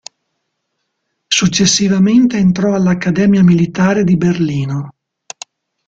Successivamente entrò all'accademia militare di Berlino.